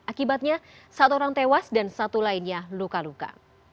akibatnya satu orang tewas dan satu lainnya luka luka